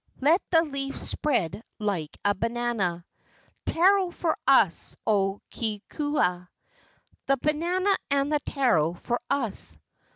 Let the leaf spread like a banana. Taro for us, O Kukea! The banana and the taro for us.